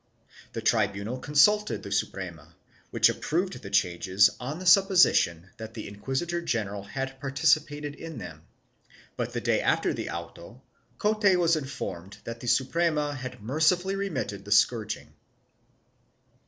The tribunal consulted the Suprema, which approved the changes on the supposition that the inquisitor general had participated in them, but the day after the auto Cote was informed that the Suprema had mercifully remitted the scourging.